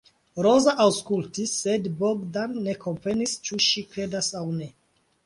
Roza aŭskultis, sed Bogdan ne komprenis ĉu ŝi kredas aŭ ne.